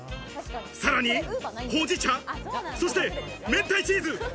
さらにほうじ茶、そして明太チーズ。